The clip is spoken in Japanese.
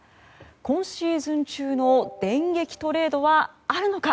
今シーズン中の電撃トレードはあるのか。